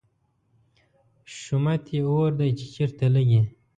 شومت یې اور دی، چې چېرته لګي